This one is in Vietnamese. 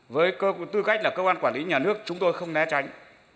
với tư cách là cơ quan quản lý nhà nước chúng tôi không né tránh